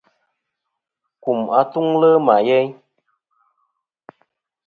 Kum atuŋlɨ ma yeyn.